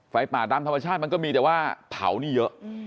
ป่าตามธรรมชาติมันก็มีแต่ว่าเผานี่เยอะ